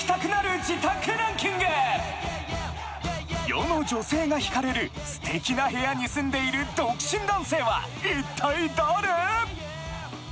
世の女性が惹かれる素敵な部屋に住んでいる独身男性は一体誰？